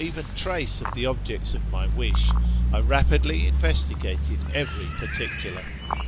en trace of the objects of my wish, I rapidly investigated every particular.